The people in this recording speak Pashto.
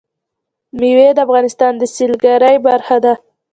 مېوې د افغانستان د سیلګرۍ برخه ده.